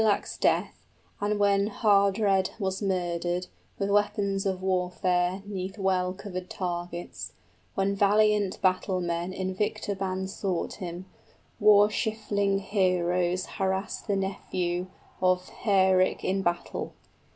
} After Higelac's death, and when Heardred was murdered With weapons of warfare 'neath well covered targets, When valiant battlemen in victor band sought him, War Scylfing heroes harassed the nephew 60 Of Hereric in battle.